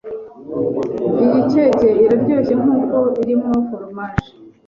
Iyi cake iraryoshye nkuko irimo foromaje.